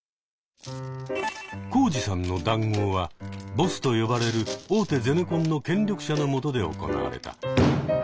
コウジさんの談合はボスと呼ばれる大手ゼネコンの権力者のもとで行われた。